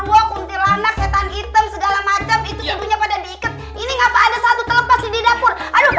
warna setan hitam segala macam itu dunia pada diikat ini ngapa ada satu telepasi di dapur